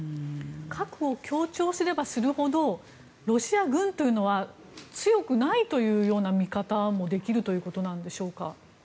核を強調すればするほどロシア軍というのは強くないというような見方もできるということなんでしょうか。